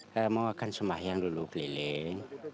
saya mau makan semah yang dulu keliling